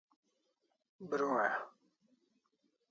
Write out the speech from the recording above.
Bru'an